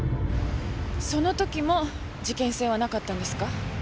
その時も事件性はなかったんですか？